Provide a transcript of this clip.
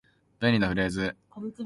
便利なフレーズ